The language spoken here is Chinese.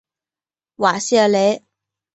瓦谢雷。